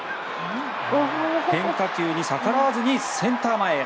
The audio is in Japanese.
変化球に逆らわずにセンターへ。